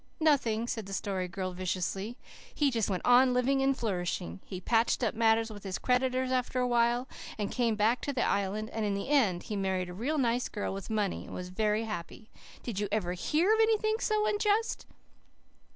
"Nothing!" said the Story Girl viciously. "He just went on living and flourishing. He patched up matters with his creditors after awhile, and came back to the Island; and in the end he married a real nice girl, with money, and was very happy. Did you ever HEAR of anything so unjust?"